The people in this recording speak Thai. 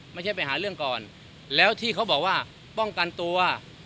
ไม่ใช่ไปหาเรื่องก่อนแล้วที่เขาบอกว่าป้องกันตัว